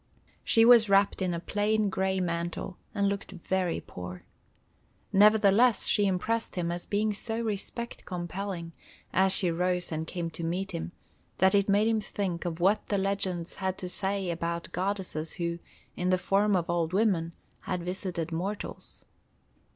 She was wrapped in a plain gray mantle, and looked very poor. Nevertheless, she impressed him as being so respect compelling, as she rose and came to meet him, that it made him think of what the legends had to say about goddesses who, in the form of old women, had visited mortals.